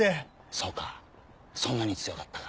そうかそんなに強かったか。